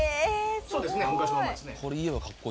そうですね昔のままですね。